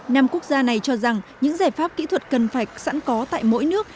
nam quốc gia này cho rằng những giải pháp kỹ thuật cần phải sẵn có tại mỗi nước